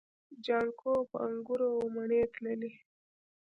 جانکو به انګور او مڼې تللې.